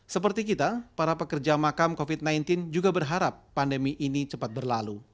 seperti kita para pekerja makam covid sembilan belas juga berharap pandemi ini cepat berlalu